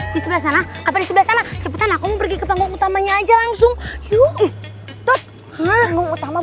di sana apa di sebelah sana cepetan aku pergi ke panggung utamanya aja langsung yuk